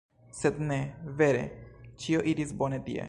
Sed ne. Vere, ĉio iris bone tie.